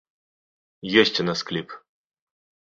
Ёсць у нас кліп.